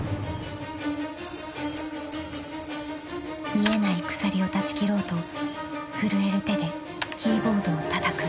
［見えない鎖を断ち切ろうと震える手でキーボードをたたく］